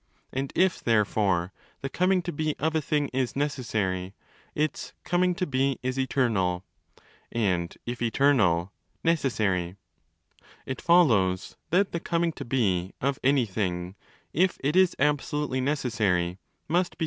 And if, therefore, the 'coming to be' of a thing is necessary, its ' coming to be' is eternal; and if eternal, necessary. It follows that the coming to be of anything, if it is 5 absolutely necessary, must be cyclical—i.e. must return 1 i.e.